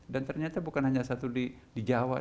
dan ternyata bukan hanya satu di jawa